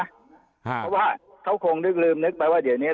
เพราะว่าเขาคงนึกลืมนึกไปว่าเดี๋ยวนี้